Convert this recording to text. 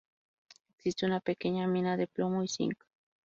Existe una pequeña mina de plomo y cinc.